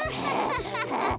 ハハハハ。